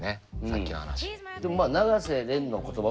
さっきの話。